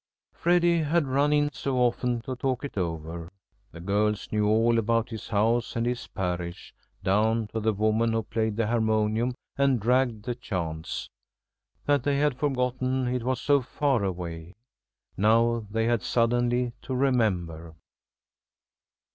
Freddy had run in so often to talk it over (the girls knew all about his house and his parish, down to the woman who played the harmonium and dragged the chants) that they had forgotten it was so far away. Now they had suddenly to remember.